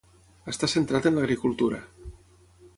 Està centrat en l'agricultura.